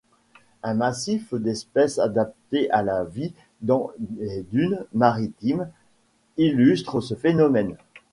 Un massif d’espèces adaptées à la vie dans les dunes maritimes, illustre ce phénomène.